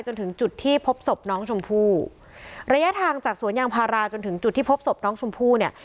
จนถึงจุดที่พบศพน้องชมพู่ระยะทางจากสวนยางพาราจนถึงจุดที่พบศพน้องชมพู่เนี่ย